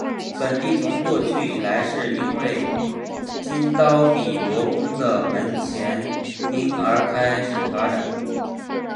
本地从过去以来是因为金刀比罗宫的门前町而开始发展。